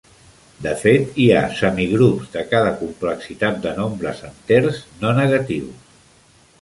De fet, hi ha semigrups de cada complexitat de nombres enters no negatius.